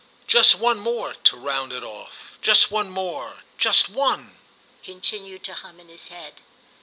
"Just one more—to round it off; just one more, just one," continued to hum in his head.